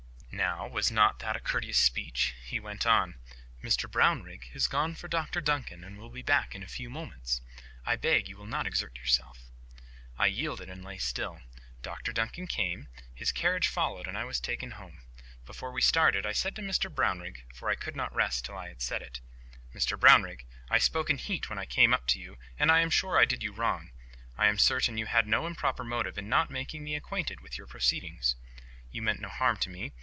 Now, was not that a courteous speech? He went on— "Mr Brownrigg has gone for Dr Duncan, and will be back in a few moments. I beg you will not exert yourself." I yielded and lay still. Dr Duncan came. His carriage followed, and I was taken home. Before we started, I said to Mr Brownrigg—for I could not rest till I had said it— "Mr Brownrigg, I spoke in heat when I came up to you, and I am sure I did you wrong. I am certain you had no improper motive in not making me acquainted with your proceedings. You meant no harm to me.